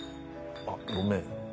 あっごめん。